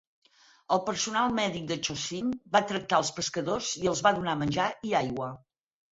El personal mèdic del "Chosin" va tractar els pescadors i els va donar menjar i aigua.